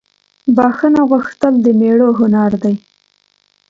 بخښنه غوښتل دمړو هنردي